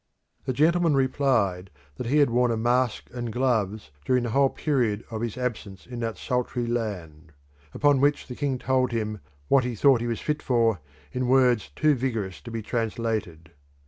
The gentleman replied that he had worn a mask and gloves during the whole period of his absence in that sultry land; upon which the king told him what he thought he was fit for in words too vigorous to be translated.